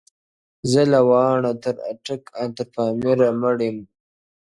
زۀ لۀ واڼــــــه تر اټــــک ان تر پاميـــــــــره مړ يم